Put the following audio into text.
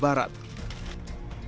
di laboratorium kesehatan jawa barat